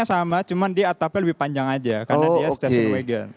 kursi penumpangnya sama cuman dia atapnya lebih panjang aja karena dia station wagon